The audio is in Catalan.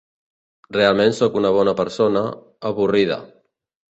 Realment sóc una bona persona, avorrida.